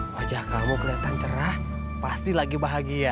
wajah kamu kelihatan cerah pasti lagi bahagia